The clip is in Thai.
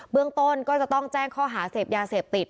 เรื่องต้นก็จะต้องแจ้งข้อหาเสพยาเสพติด